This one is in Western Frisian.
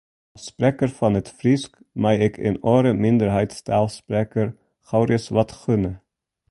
As sprekker fan it Frysk mei ik in oare minderheidstaalsprekker gauris wat gunne.